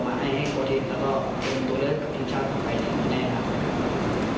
เหมาะต่อไปข้างหน้าในการมุมที่จะมีโอกาสติดติดชาติในการออกต่อวารเลือก